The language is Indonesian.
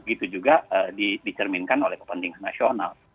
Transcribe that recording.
itu juga dicerminkan oleh kepentingan nasional